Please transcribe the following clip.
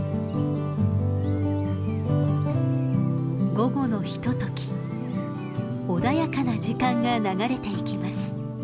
午後のひととき穏やかな時間が流れていきます。